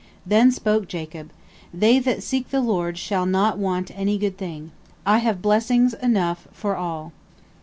Then spoke Jacob: "They that seek the Lord shall not want any good thing. I have blessings enough for all."